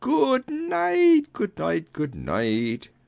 Good night. Good night. Good night.